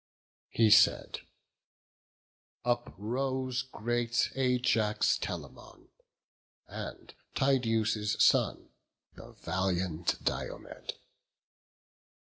He said; uprose great Ajax Telamon, And Tydeus' son, the valiant Diomed.